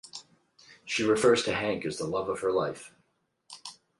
She refers to Hank as the love of her life.